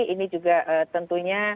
ini juga tentunya